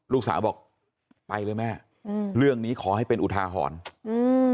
ลูกสาวบอกไปเลยแม่อืมเรื่องนี้ขอให้เป็นอุทาหรณ์อืม